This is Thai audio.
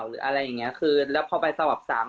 หรืออะไรอย่างเงี้ยคือแล้วพอไปสวับสาม